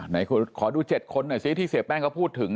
ไหนคุณดูขอดู๗คนหน่อยสิที่เสียแป้งเขาพูดถึง